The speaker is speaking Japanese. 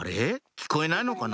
聞こえないのかな」